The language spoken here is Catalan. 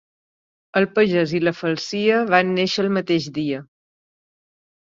El pagès i la falsia van néixer el mateix dia.